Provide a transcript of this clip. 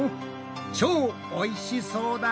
超おいしそうだ。